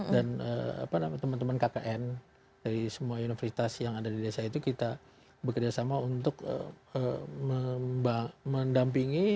dan apa namanya teman teman kkn dari semua universitas yang ada di desa itu kita bekerjasama untuk mendampingi